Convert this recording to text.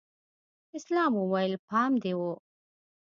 اسلام وويل پام دې و.